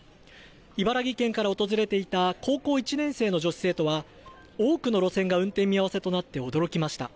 茨城県から訪れていた高校１年生の女子生徒は多くの路線が運転見合わせとなって驚きました。